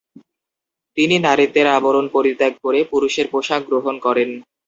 তিনি নারীত্বের আবরণ পরিত্যাগ করে, পুরুষের পোশাক গ্রহণ করেন।